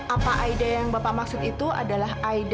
apa ide yang bapak maksud itu adalah aida